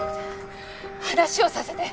話をさせて。